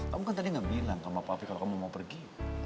kamu kan tadi nggak bilang sama pavi kalau kamu mau pergi